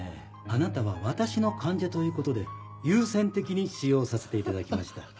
あなたは私の患者ということで優先的に使用させていただきました